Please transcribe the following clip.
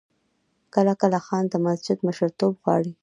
کله کله خان د مسجد مشرتوب غواړي.